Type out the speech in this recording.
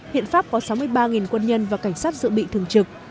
hiện pháp có sáu mươi ba quân nhân và cảnh sát dự bị thường trực